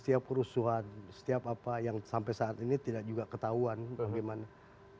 setiap kerusuhan setiap apa yang sampai saat ini tidak juga ketahuan bagaimana